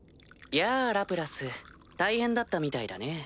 やぁラプラス大変だったみたいだね。